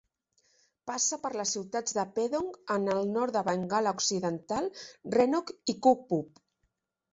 Passa per les ciutats de Pedong en el nord de Bengala Occidental, Rhenok i Kupup.